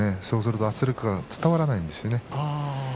そうすると圧力が伝わらないんですね。